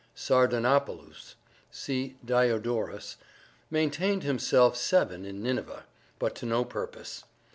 Sardanapalus—see Diodorus—maintained himself seven in Nineveh; but to no purpose.